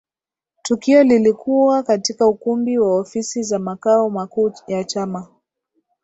Tukio lilikuwa katika ukumbi wa ofisi za makao makuu ya Chama